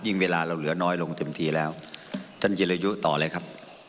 เวลาเราเหลือน้อยลงเต็มทีแล้วท่านจิรยุต่อเลยครับ